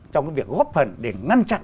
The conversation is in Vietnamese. trong việc góp phần để ngăn chặn